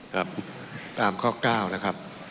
ครับตามข้อ๙นะครับ